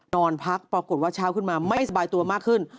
นอนพักปรากฏว่าเช้าขึ้นมาไม่สบายตัวมากขึ้น